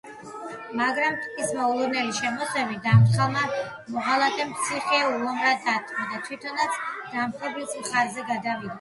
მაგრამ მტრის მოულოდნელი შემოსევით დამფრთხალმა მოღალატემ ციხე უომრად დათმო და თვითონაც დამპყრობლის მხარეზე გადავიდა.